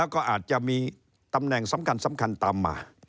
ก็อาจจะมีตำแหน่งสำคัญตามมา